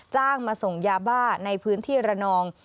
มาส่งยาบ้าในพื้นที่ระนอง